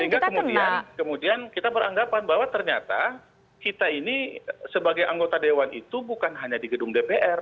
sehingga kemudian kita beranggapan bahwa ternyata kita ini sebagai anggota dewan itu bukan hanya di gedung dpr